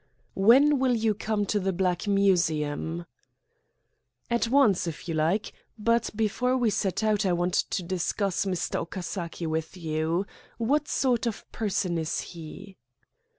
"When will you come to the Black Museum?" "At once, if you like. But before we set out I want to discuss Mr. Okasaki with you. What sort of person is he?"